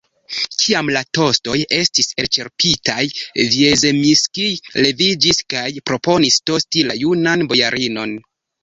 Kiam la tostoj estis elĉerpitaj, Vjazemskij leviĝis kaj proponis tosti la junan bojarinon.